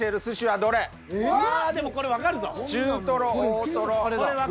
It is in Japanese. でもこれわかるぞ。